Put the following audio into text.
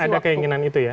akan ada keinginan itu ya